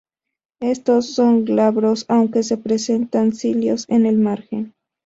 Éstos, son glabros aunque presentan cilios en el margen.